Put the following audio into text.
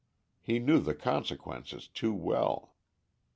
He knew the consequences too well.